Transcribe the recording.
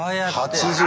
８０。